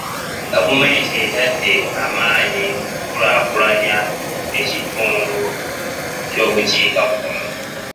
Gavumenti etadde amaanyi mu kukulaakulanya ekitundu ky'obukiikakkono.